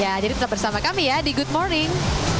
ya jadi tetap bersama kami ya di good morning